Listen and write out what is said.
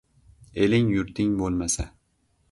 Eling-yurting bo'lmasa